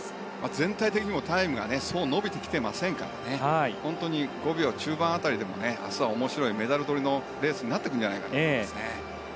全体的にもタイムがそう伸びてきていませんから本当に５秒中盤辺りでも明日は面白いメダル取りのレースになっていくんじゃないかなと思いますね。